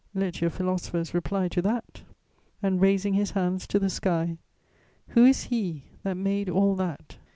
Let your philosophers reply to that!'"... "And, raising his hands to the sky: "'Who is He that made all that?'"